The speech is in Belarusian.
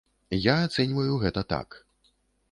Я ацэньваю гэта так.